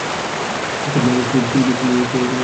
তোর মা-বাপকে কি তুই বেছে নিয়েছিলি?